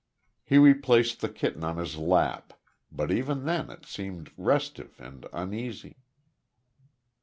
He replaced the kitten on his lap, but even then it seemed restive and uneasy.